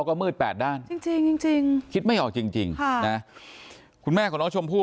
ก็มืดแปดด้านจริงจริงคิดไม่ออกจริงจริงค่ะนะคุณแม่ของน้องชมพู่